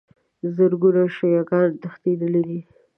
زرګونو شیعه ګان تښتېدلي دي.